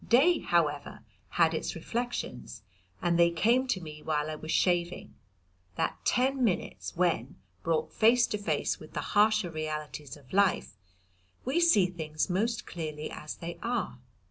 Day, however, had its reflections, and they came to me while I was shaving, that ten minutes when, brought face to face with the harsher realities of life, we see things most clearly as they are.